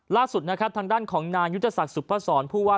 ล่าสุดทางด้านของนานยุทธศักดิ์สุภาษณ์ผู้ว่า